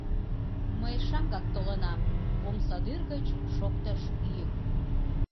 — Мый шаҥгак толынам, — омсадӱр гыч шоктыш йӱк.